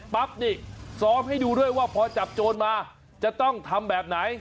ปั๊บนี่ซ้อมให้ดูด้วยว่าพอจับโจรมาจะต้องทำแบบไหน